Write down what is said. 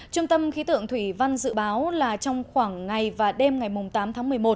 trung tâm khí tượng thủy văn dự báo là trong khoảng ngày và đêm ngày tám tháng một mươi một